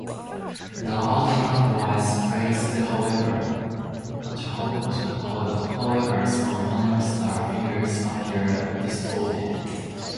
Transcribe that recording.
The artwork was praised however "some panels the figures appear distorted".